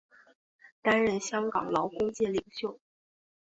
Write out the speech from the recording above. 担任香港劳工界领袖。